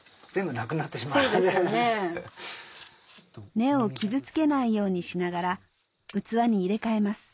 根を傷つけないようにしながら器に入れ替えます